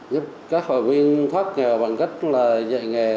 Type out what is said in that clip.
giúp các hội viên thoát nghèo bằng cách là dạy nghề